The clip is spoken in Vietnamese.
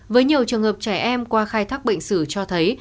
với nhiều trường hợp trẻ em qua khai thác bệnh sử cho thấy